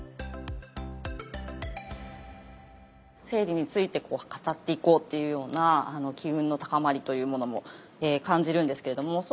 生理について語っていこうっていうような機運の高まりというものも感じるんですけれども。